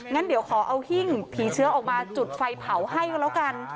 งั้นเดี๋ยวขอเอาหิ้งผีเชื้อออกมาจุดไฟเผาให้ก็แล้วกัน